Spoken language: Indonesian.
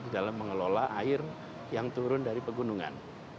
dalam mengelola air yang turun dari pegunungan